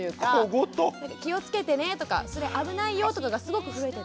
「気をつけてね」とか「それ危ないよ」とかがすごく増えてて。